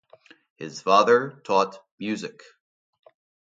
His father taught music.